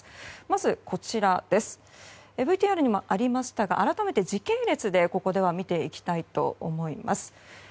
まず、ＶＴＲにもありましたが改めて時系列で、ここでは見ていきたいと思います。